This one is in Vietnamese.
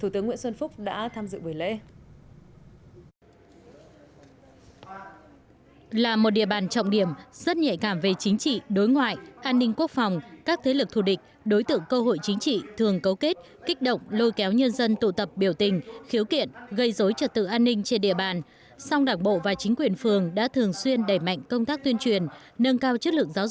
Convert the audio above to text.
thủ tướng nguyễn xuân phúc đã tham dự bởi lễ